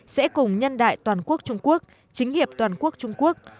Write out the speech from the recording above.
sẽ cùng nhân đại toàn quốc trung quốc chính hiệp toàn quốc trung quốc